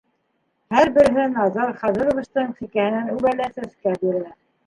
Һәр береһе Назар Хазаровичтың сикәһенән үбә лә сәскә бирә.